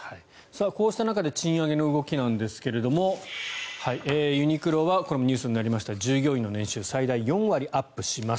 こうした中で賃上げの動きなんですがユニクロはこれもニュースになりました従業員の年収を最大４割アップします。